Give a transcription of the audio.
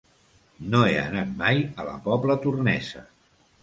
No he anat mai a la Pobla Tornesa.